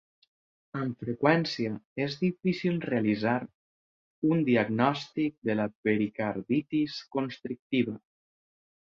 Amb freqüència, és difícil realitzar un diagnòstic de la pericarditis constrictiva.